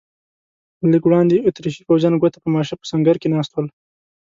لږ وړاندې اتریشي پوځیان ګوته په ماشه په سنګر کې ناست ول.